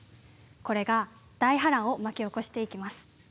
これが大波乱を巻き起こしていきます。